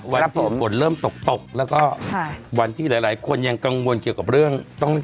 วันที่ฝนเริ่มตกตกแล้วก็วันที่หลายหลายคนยังกังวลเกี่ยวกับเรื่องต้อง